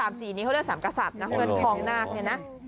นี่เขาเรียกว่า๓กษัตริย์นะคือพองนาฬเนี่ยนะ